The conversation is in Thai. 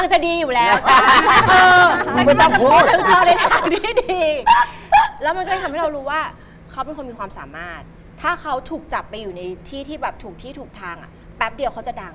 งงมากบอกว่าจ๊ะคนเรามูกันเพื่ออะไร